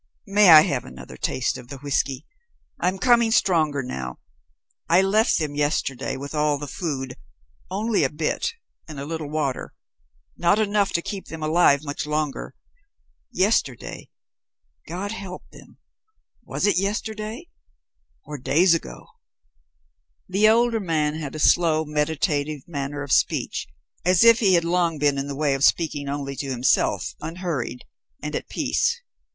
"May I have another taste of the whisky? I'm coming stronger now. I left them yesterday with all the food only a bit and a little water not enough to keep them alive much longer. Yesterday God help them was it yesterday or days ago?" The older man had a slow, meditative manner of speech as if he had long been in the way of speaking only to himself, unhurried, and at peace.